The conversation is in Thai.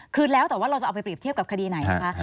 คือแล้วแต่ว่าเราจะเอาไปเรียบเทียบกับคดีไหนนะคะ